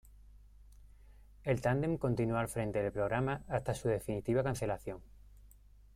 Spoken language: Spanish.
El tándem continuó al frente del programa hasta su definitiva cancelación.